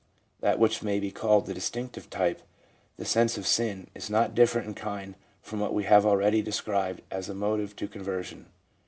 That which may be called the distinctive type, the sense of sin, is not different in kind from what we have already seen described as a motive to conversion.